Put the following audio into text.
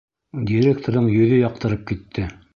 Директорҙың йөҙө яҡтырып китте.